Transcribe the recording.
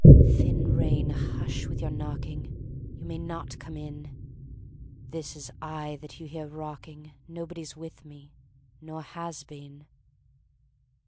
"Thin Rain, hush with your knocking! You may not come in! This is I that you hear rocking; Nobody's with me, nor has been!"